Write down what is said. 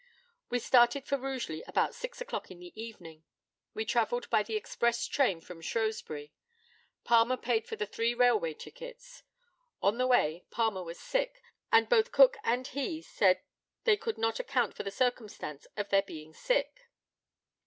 We started for Rugeley about six o'clock in the evening. We travelled by the express train from Shrewsbury; Palmer paid for the three railway tickets. On the way Palmer was sick, and both Cook and he said they could not account for the circumstance of their being sick.